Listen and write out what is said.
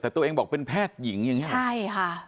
ตัวเองบอกเป็นแพทย์หญิงยังไงใช่ค่ะ